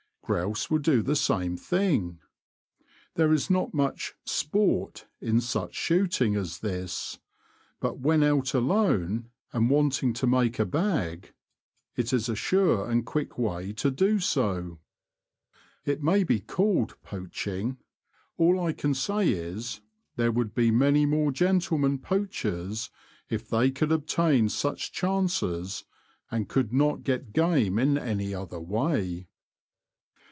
Grouse will do the same thing. There is not much ' sport ' in such shooting as this, but when out alone, and wanting to make a bag, it is a sure and quick way to do The Confessions of a T^oacher, 121 so. It may be called ' poaching '— all I can say is, there would be many more gentlemen poachers if they could obtain such chances, and could not get game in any other way."